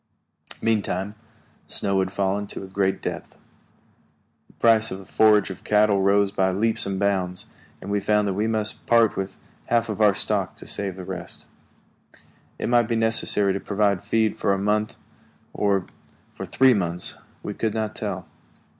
Meantime, snow had fallen to a great depth. The price of forage for cattle rose by leaps and bounds, and we found that we must part with half of our stock to save the rest. It might be necessary to provide feed for a month, or for three months; we could not tell.